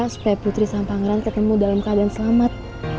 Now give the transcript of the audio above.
supaya putri sama pangeran ketemu dalam keadaan selamat